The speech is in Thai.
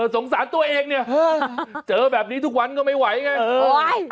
สงสารตัวเองเนี่ยเจอแบบนี้ทุกวันก็ไม่ไหวไง